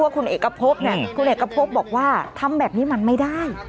คุณเอกพบบอกว่าทำแบบนี้มันไม่ได้